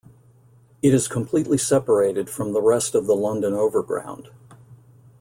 It is completely separated from the rest of the London Overground.